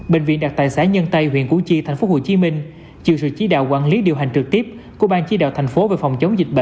bệnh viện đặt tại xã nhân tây huyện củ chi tp hcm chịu sự chỉ đạo quản lý điều hành trực tiếp của ban chỉ đạo thành phố về phòng chống dịch bệnh covid một mươi chín